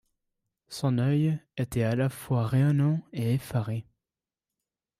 Son œil était à la fois rayonnant et effaré.